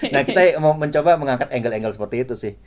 nah kita mau mencoba mengangkat angle angle seperti itu sih